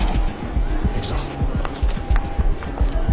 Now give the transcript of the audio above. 行くぞ。